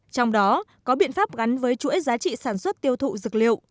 trong đó có biện pháp gắn với chuỗi giá trị sản xuất tiêu thụ dược liệu